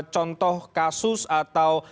contoh kasus atau